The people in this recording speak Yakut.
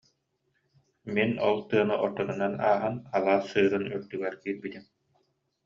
Мин ол тыаны ортотунан ааһан, алаас сыырын үрдүгэр киирбитим